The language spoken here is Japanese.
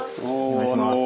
お願いします。